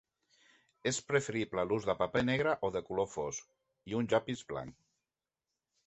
És preferible l'ús de paper negre o de color fosc, i un llapis blanc.